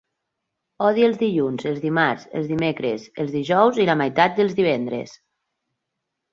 Odie els dilluns, els dimarts, els dimecres, els dijous, i la meitat dels divendres.